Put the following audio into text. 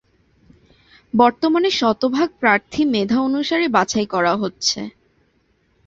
বর্তমানে শতভাগ প্রার্থী মেধা অনুসারে বাছাই করা হচ্ছে।